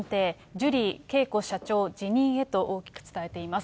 ジュリー景子社長辞任へと大きく伝えています。